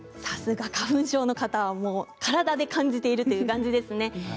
さすが花粉症の方は体で感じているという感じですね。